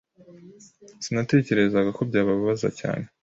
Sinatekerezaga ko byababaza cyane.